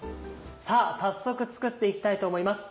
さぁ早速作って行きたいと思います。